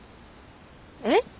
えっ？